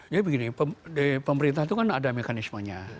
jadi begini pemerintah itu kan ada mekanismenya